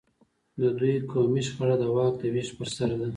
د دوی قومي شخړه د واک د وېش پر سر ده.